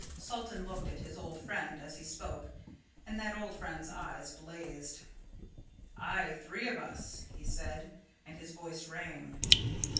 Salton looked at his old friend as he spoke, and that old friend's eyes blazed. "Ay, three of us," he said, and his voice rang.